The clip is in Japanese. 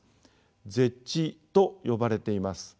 ＺＥＨと呼ばれています。